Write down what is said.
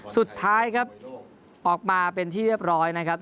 สุดท้ายครับออกมาเป็นที่เรียบร้อยนะครับ